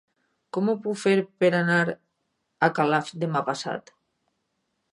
Com ho puc fer per anar a Calaf demà passat?